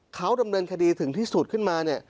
เขาดำเนินคดีถึงที่สุดขึ้นมาเนี่ย